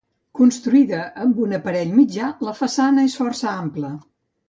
Construïda amb un aparell mitjà, la façana és força ampla.